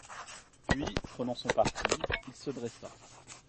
Puis, prenant son parti, il se dressa.